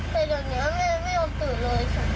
แต่ตอนนี้แม่ไม่ยอมตื่นเลย